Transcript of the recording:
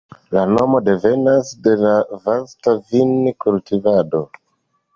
La nomo devenas de la vasta vin-kultivado.